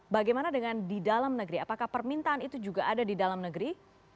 bagaimana dengan di dalam negeri apakah permintaan itu juga ada di dalam negeri